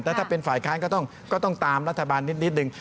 ถ้าเป็นฝ่ายค้านก็ต้องตามรัฐบาลนิดนึง